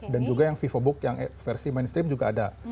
dan juga yang vivobook yang versi mainstream juga ada